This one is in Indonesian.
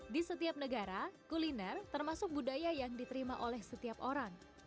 di setiap negara kuliner termasuk budaya yang diterima oleh setiap orang